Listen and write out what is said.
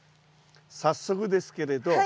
早速ですけれど。